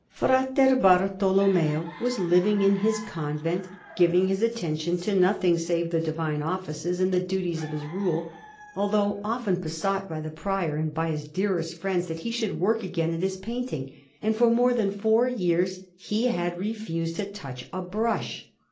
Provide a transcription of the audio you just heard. Fra Bartolommeo was living in his convent, giving his attention to nothing save the divine offices and the duties of his Rule, although often besought by the Prior and by his dearest friends that he should work again at his painting; and for more than four years he had refused to touch a brush.